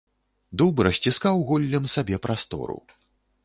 Дуб расціскаў голлем сабе прастору.